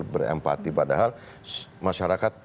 berempati padahal masyarakat